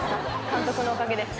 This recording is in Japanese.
監督のおかげです。